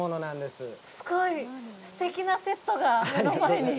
すごい、すてきなセットが目の前に。